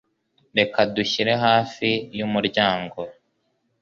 Reka dushyire hafi yumuryango.